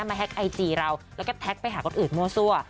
แฮ็กไอจีเราแล้วก็แท็กไปหาคนอื่นมั่วซั่ว